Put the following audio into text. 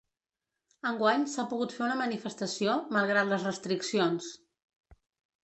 Enguany s’ha pogut fer una manifestació, malgrat les restriccions.